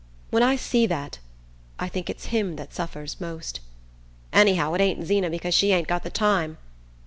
When I see that, I think it's him that suffers most... anyhow it ain't Zeena, because she ain't got the time...